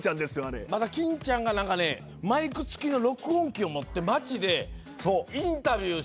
まだ欽ちゃんがマイク付きの録音機を持って街でインタビューしてるのがあるんですよ。